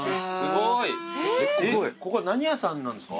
ここは何屋さんなんですか？